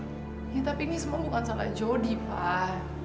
ya tapi ini semua bukan salah jodi pak